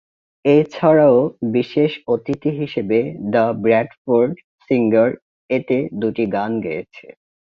এছাড়াও বিশেষ অতিথি হিসেবে দ্য ব্র্যাডফোর্ড সিঙ্গার এতে দুইটি গান গেয়েছেন।